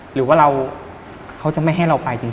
หรือว่าเขาจะไม่ให้เราไปจริง